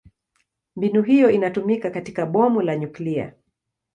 Mbinu hiyo inatumiwa katika bomu la nyuklia.